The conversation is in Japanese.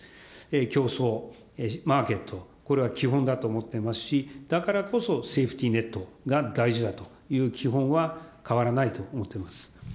競争、マーケット、これは基本だと思ってますし、だからこそセーフティネットが大事だという基本は、変わらないと思ってます。